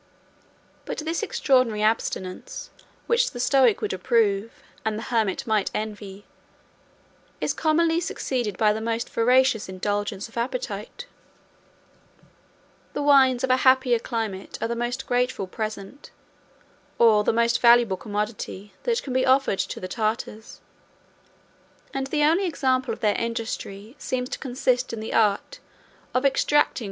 But this extraordinary abstinence, which the Stoic would approve, and the hermit might envy, is commonly succeeded by the most voracious indulgence of appetite. The wines of a happier climate are the most grateful present, or the most valuable commodity, that can be offered to the Tartars; and the only example of their industry seems to consist in the art of extracting from mare's milk a fermented liquor, which possesses a very strong power of intoxication.